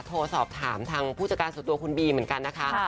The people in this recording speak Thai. โทรสอบถามทางผู้จัดการส่วนตัวคุณบีเหมือนกันนะคะ